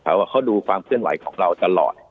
แต่ว่าเขาดูความเคลื่อนไหวของเราตลอด